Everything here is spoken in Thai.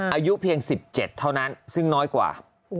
อายุเพียง๑๗เท่านั้นซึ่งน้อยกว่า